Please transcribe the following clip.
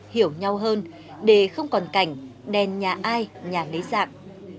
hiểu nhau hơn để không còn cảnh đèn nhà ai nhà lấy dạng